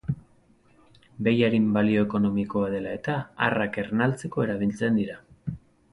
Behiaren balio ekonomikoa dela-eta, arrak ernaltzeko erabiltzen dira.